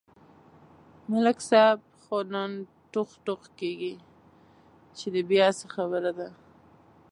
ملک صاحب خو نن ټوغ ټوغ کېږي، چې دی بیا څه خبره لري.